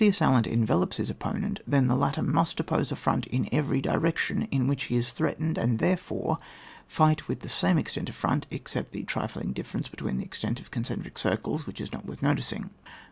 \b9 assailant envelops his opponent, then the latter must oppose a front in every direo tion in which he is threatened, and, therefore, fight with the same extent of front (except the trifling difference be tween the extent of concentric circles, which is not worth noticing).